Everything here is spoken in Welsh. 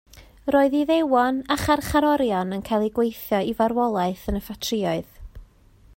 Roedd Iddewon a charcharorion yn cael eu gweithio i farwolaeth yn y ffatrïoedd